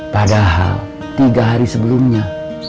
padahal tiga hari sebelumnya